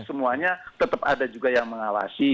semuanya tetap ada juga yang mengawasi